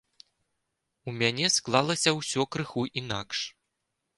У мяне склалася ўсё крыху інакш.